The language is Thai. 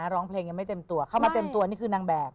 ร้องเพลงยังไม่เต็มตัวเข้ามาเต็มตัวนี่คือนางแบบ